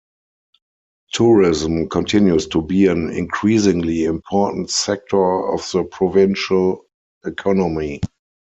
Tourism continues to be an increasingly important sector of the provincial economy.